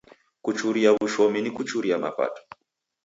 Kuchuria w'ushomi ni kuchuria mapato.